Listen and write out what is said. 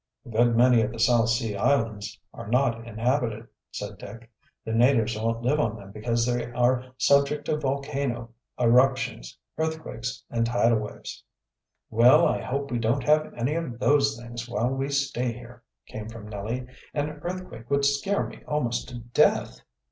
"A good many of the South Sea islands are not inhabited," said Dick. "The natives won't live on them because they are subject to volcano eruptions, earthquakes, and tidal waves." "Well, I hope we don't have any of those things while we stay here," came from Nellie. "An earthquake would scare me almost to death."